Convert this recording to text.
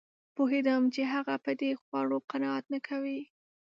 پوهېدم چې هغه په دې خوړو قناعت نه کوي